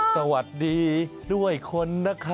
สวัสดีด้วยคนนะคะ